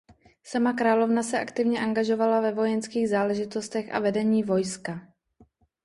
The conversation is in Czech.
Sama královna se aktivně angažovala ve vojenských záležitostech a vedení vojska.